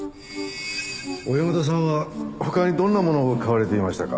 小山田さんは他にどんなものを買われていましたか？